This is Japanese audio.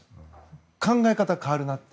考え方が変わるなって。